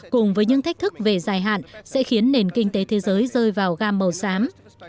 cùng với những thách thức về dài hạn sẽ khiến nền kinh tế thế giới rơi vào gam màu xám